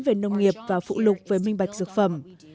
về nông nghiệp và phụ lục về minh bạch dược phẩm